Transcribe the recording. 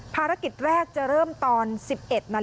ภารกิจแรกจะเริ่มตอน๑๑นาฬ